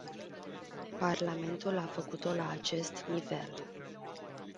Parlamentul a făcut-o la acest nivel.